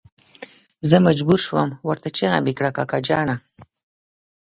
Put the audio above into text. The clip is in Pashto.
زه مجبور شوم ورته چيغه مې کړه کاکا جانه.